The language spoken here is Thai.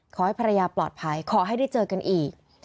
ขอให้ภรรยาปลอดภัยขอให้ได้เจอกันอีก